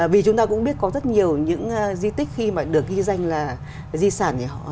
vì chúng ta cũng biết có rất nhiều những di tích khi mà được ghi danh là di sản gì họ